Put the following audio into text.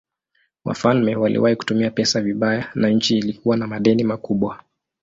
Wafalme waliwahi kutumia pesa vibaya na nchi ilikuwa na madeni makubwa.